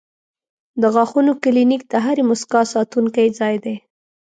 د غاښونو کلینک د هرې موسکا ساتونکی ځای دی.